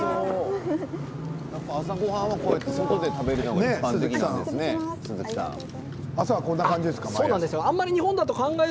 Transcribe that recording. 朝ごはんは、こうやって外で食べるんですか？